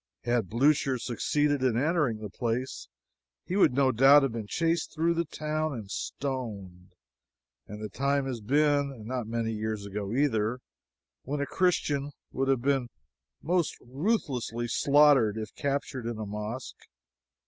Had Blucher succeeded in entering the place, he would no doubt have been chased through the town and stoned; and the time has been, and not many years ago, either, when a Christian would have been most ruthlessly slaughtered if captured in a mosque.